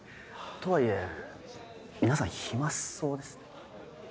とはいえ皆さん暇そうですね。